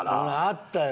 あったよ。